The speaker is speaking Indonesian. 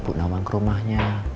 buknawan ke rumahnya